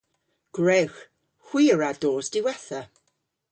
Gwrewgh. Hwi a wra dos diwettha.